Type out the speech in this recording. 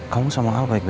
kamu sama aku baik baik aja